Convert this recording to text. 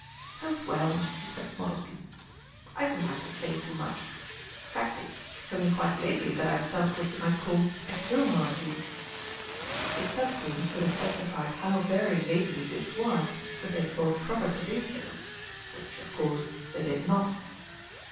"Oh, well," he said modestly, "I didn't like to say too much. Fact is, it's only quite lately that I've felt what you might call at home on a gee." The Stud grooms could have testified how very lately this was if they had thought proper to do so which, of course, they did not.